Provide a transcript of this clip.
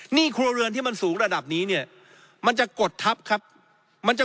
ครัวเรือนที่มันสูงระดับนี้เนี่ยมันจะกดทัพครับมันจะ